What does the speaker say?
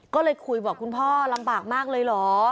ก็เลยคุยบอกคุณพ่อลำบากมากเลยเหรอ